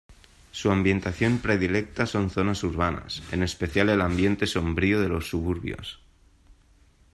Su ambientación predilecta son zonas urbanas, en especial el ambiente sombrío de los suburbios.